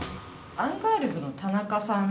アンガールズの田中さん。